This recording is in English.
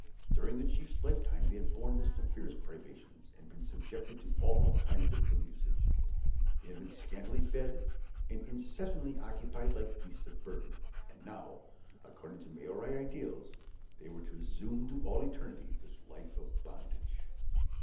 During the chief's lifetime they had borne the severest privations, and been subjected to all kinds of ill usage; they had been scantily fed, and incessantly occupied like beasts of burden, and now, according to Maori ideas, they were to resume to all eternity this life of bondage.